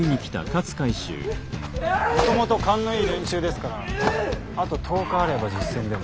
もともと勘のいい連中ですからあと１０日あれば実践でも。